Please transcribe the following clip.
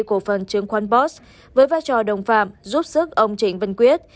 công ty cổ phần chứng khoán boss với vai trò đồng phạm giúp sức ông trịnh văn quyết